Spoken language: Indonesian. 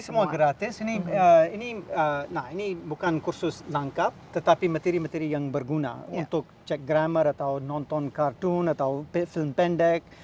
ini semua gratis ini bukan kursus lengkap tetapi materi materi yang berguna untuk cek grammar atau nonton kartun atau film pendek